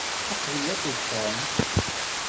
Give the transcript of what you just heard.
Aql-iyi akked Tom.